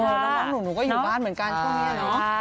แล้วน้องหนูก็อยู่บ้านเหมือนกันช่วงนี้เนาะ